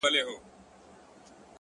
تا ولي په مسکا کي قهر وخندوئ اور ته ـ